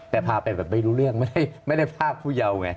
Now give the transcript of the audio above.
แต่พาไปแบบไม่รู้เรื่องไม่ได้พรากผู้เยาว์ไง